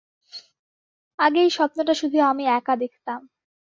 আগে এই স্বপ্নটা শুধু আমি একা দেখতাম।